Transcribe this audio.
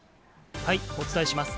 お伝えします。